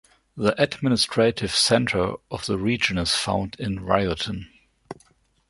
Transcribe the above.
The administrative centre of the region is found in Wiarton.